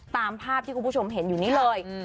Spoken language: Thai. ตามภาพที่คุณผู้ชมเห็นอยู่นี้เลย